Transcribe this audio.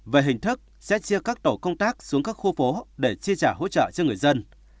về hình thức sẽ chia các tổ công tác xuống các khu phố để chi trả hỗ trợ cho người dân